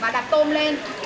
và đặt tôm lên